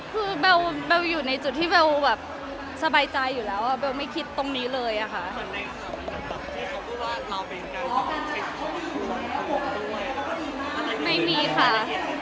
คือเบลอยู่ในจุดที่เบลแบบสบายใจอยู่แล้วเบลไม่คิดตรงนี้เลยอะค่ะ